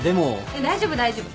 大丈夫大丈夫。